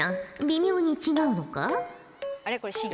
微妙に違うのか？